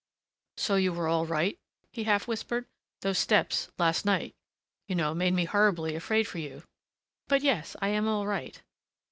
"So you were all right?" he half whispered. "Those steps, last night, you know, made me horribly afraid for you " "But, yes, I am all right."